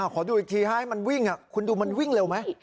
ขอดูอีกทีให้มันวิ่งคุณดูมันวิ่งเร็วไหม